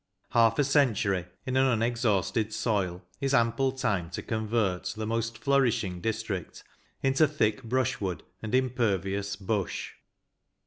'' Half a century in an unexhausted soil is ample time to convert the most flourishing district into thick brushwood and impervious hush.